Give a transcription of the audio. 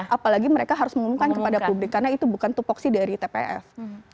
apalagi mereka harus mengumumkan kepada publik karena itu bukan tupoksi dari tpf